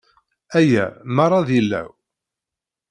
Aya merra d ilaw?